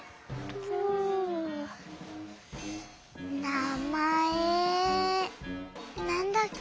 なまえなんだっけ？